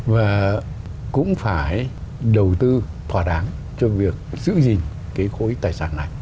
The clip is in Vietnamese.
và cũng phải đầu tư thỏa đáng cho việc giữ gìn cái khối tài sản này